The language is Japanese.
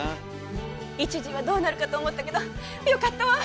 一時はどうなるかと思ったけどよかったわ！